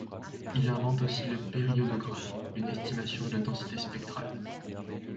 Il invente aussi le périodogramme, une estimation de la densité spectrale.